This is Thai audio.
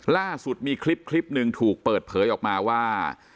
ล่าสุดมีคลิปหนึ่งถูกเปิดเผยออกมาว่า